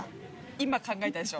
今考えたでしょ。